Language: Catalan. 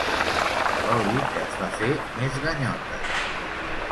L'oli que et fa fer més ganyotes.